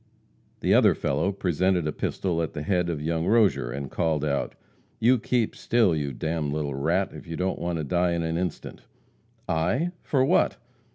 The other fellow presented a pistol at the head of young Rozier, and called out: "You keep still, you d d little rat, if you don't want to die in an instant." "I? for what?"